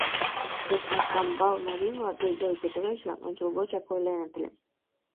Вет Аркамбал марий-влак Григорий Петровичлан ончылгочак ойленыт ыле: